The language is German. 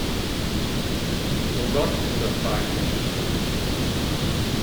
Oh Gott, ist das peinlich!